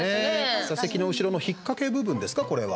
座席の後ろの引っ掛け部分ですかこれは。